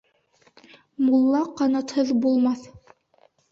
Мулла ҡанатһыҙ булмаҫ